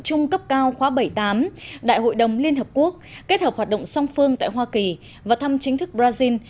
trung cấp cao khóa bảy mươi tám đại hội đồng liên hợp quốc kết hợp hoạt động song phương tại hoa kỳ và thăm chính thức brazil